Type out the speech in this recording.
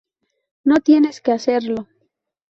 No tienes que hacerlo.